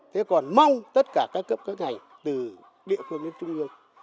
thế còn mong tất cả các cấp các ngành từ địa phương đến trung ương